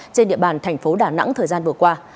trên địa bàn thành phố đà nẵng thời gian vừa qua